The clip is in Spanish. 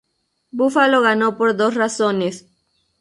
Buffalo ganó por dos razones.